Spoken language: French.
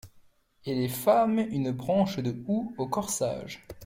Et les femmes une branche de houx au corsage.